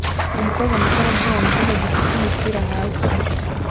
Umukobwa muto arabyina mucyumba gifite imipira hasi